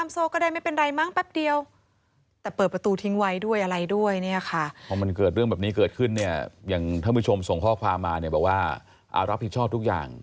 แถวนี้เลยตะโกนเรียก